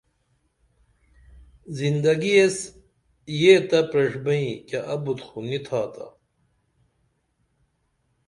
زندگی ایس یہ تہ پریݜبئیں کیہ ابت خو نی تھاتا